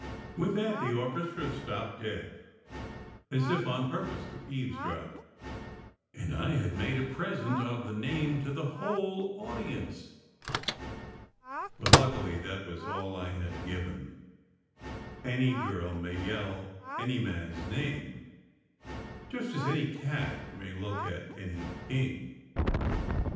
With that the orchestra stopped dead as if on purpose to eavesdrop, and I had made a present of the name to the whole audience. But luckily that was all I had given. 208 SECRET HISTORY Any girl may yell any man s name, just as any cat may look at any king.